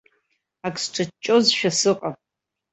Ак сҿаҷҷозшәа сыҟан.